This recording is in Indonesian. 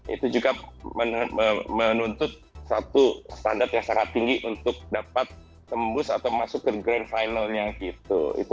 itu juga menuntut satu standar yang sangat tinggi untuk dapat tembus atau masuk ke grand finalnya gitu